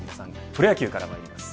プロ野球からまいります。